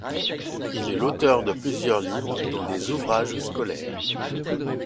Il est l'auteur de plusieurs livres dont des ouvrages scolaires.